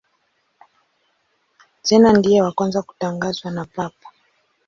Tena ndiye wa kwanza kutangazwa na Papa.